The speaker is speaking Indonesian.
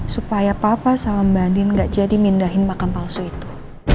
supaya papa sama mbak din gak jadi mindahin makan palsu itu